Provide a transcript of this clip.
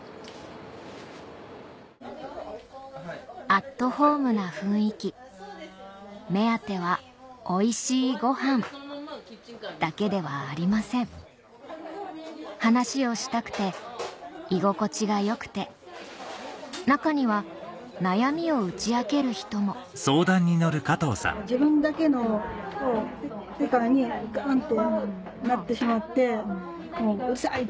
アットホームな雰囲気目当てはおいしいごはんだけではありません話をしたくて居心地が良くて中には悩みを打ち明ける人も自分だけの世界にガンってなってしまって。